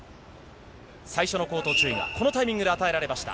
最初の口頭注意が、このタイミングで与えられました。